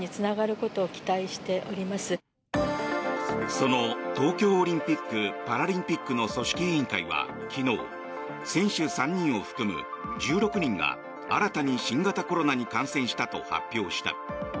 その東京オリンピック・パラリンピックの組織委員会は昨日、選手３人を含む１６人が新たに新型コロナに感染したと発表した。